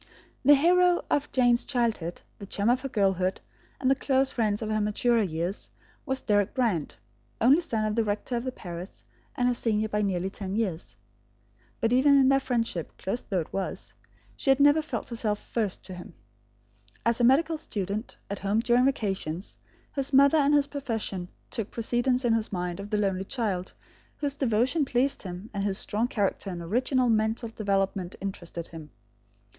The hero of Jane's childhood, the chum of her girlhood and the close friend of her maturer years, was Deryck Brand, only son of the rector of the parish, and her senior by nearly ten years. But even in their friendship, close though it was, she had never felt herself first to him. As a medical student, at home during vacations, his mother and his profession took precedence in his mind of the lonely child, whose devotion pleased him and whose strong character and original mental development interested him.